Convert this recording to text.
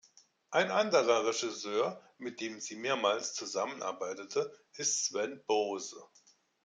Ein anderer Regisseur, mit dem sie mehrmals zusammenarbeitete, ist Sven Bohse.